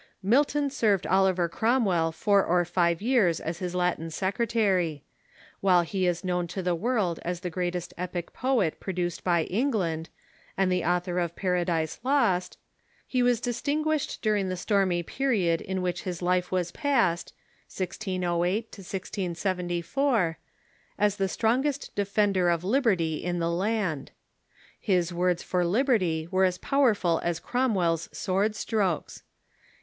Milton served Oliver Cromwell four or five years as his Latin secretary. While he is known to the world as the great est epic poet produced by England, and the author John Milton „^* K }„, n •■^^,■ ot raradise Lost, he was distinguished during the stormy period in which his life was passed (1608 1674) as the strongest defender of liberty in the land. His words for lib erty were as powerful as Cromwell's sword strokes.